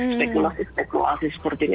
spekulasi spekulasi seperti ini